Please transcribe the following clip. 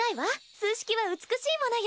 数式は美しいものよ！